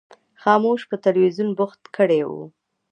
خاموش په تلویزیون بوخت کړی و.